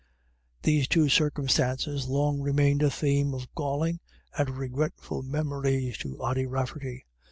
These two circumstances long remained a theme of galling and regretful memories to Ody RaflTerty.